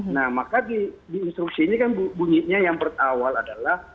nah maka di instruksinya kan bunyinya yang berawal adalah